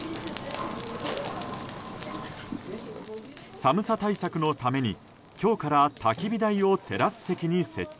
寒さ対策のために今日から、たき火台をテラス席に設置。